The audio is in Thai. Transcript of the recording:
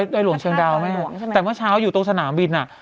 โดยหลวงเชียงดาวแม่แต่เมื่อเช้าอยู่ตรงสนามบินอ่ะ